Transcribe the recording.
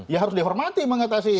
ya harus dihormati mengatasi